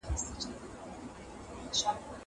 کېدای سي د کتابتون کتابونه سخت وي!!